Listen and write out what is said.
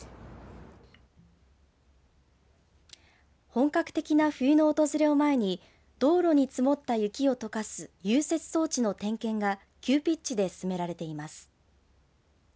本格的な冬の訪れを前に道路に積もった雪を解かす融雪装置の点検が急ピッチで進められています。